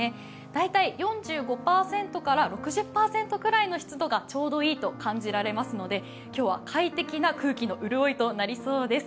大体４５％から６０％ぐらいの湿度がちょうどいいと感じられますので今日は快適な空気の潤いとなりそうです。